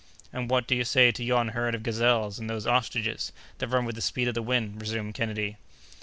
"And what do you say to yon herd of gazelles, and those ostriches, that run with the speed of the wind?" resumed Kennedy.